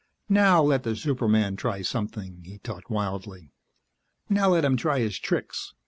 Now let the superman try something, he thought wildly. Now let him try his tricks!